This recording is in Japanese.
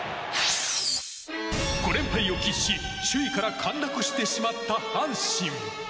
５連敗を喫し首位から陥落してしまった阪神。